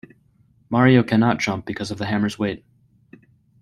Mario cannot jump because of the hammer's weight.